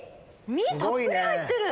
身たっぷり入ってる。